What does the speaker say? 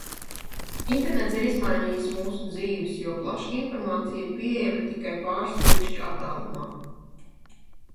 Internets ir izmainījis mūsu dzīves, jo plaša informācija ir pieejama tikai pāris klikšķu attālumā.